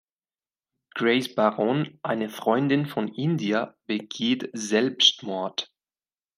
Grace Barron, eine Freundin von India, begeht Selbstmord.